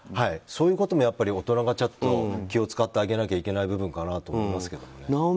そういうことも大人が気を使ってあげなきゃいけない部分かなと思いますけどね。